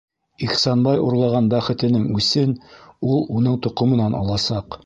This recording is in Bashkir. Ихсанбай урлаған бәхетенең үсен ул уның тоҡомонан аласаҡ!